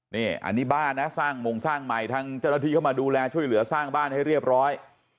นี่อันนี้บ้านนะสร้างมงสร้างใหม่ทางเจ้าหน้าที่เข้ามาดูแลช่วยเหลือสร้างบ้านให้เรียบร้อย